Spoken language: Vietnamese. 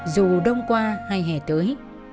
dù đông qua hay hè tới